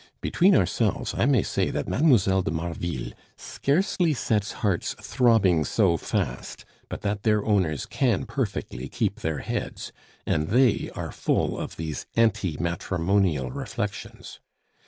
Between ourselves, I may say that Mlle. de Marville scarcely sets hearts throbbing so fast but that their owners can perfectly keep their heads, and they are full of these anti matrimonial reflections.